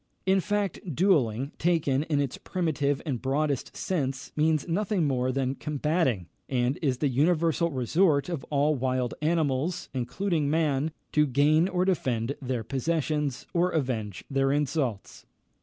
In fact, duelling, taken in its primitive and broadest sense, means nothing more than combating, and is the universal resort of all wild animals, including man, to gain or defend their possessions, or avenge their insults.